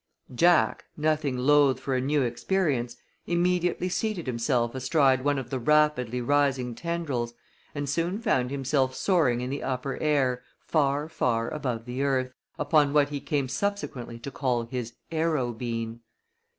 Jack, nothing loath for a new experience, immediately seated himself astride one of the rapidly rising tendrils, and soon found himself soaring in the upper air, far, far above the earth, upon what he came subsequently to call his "Aero Bean."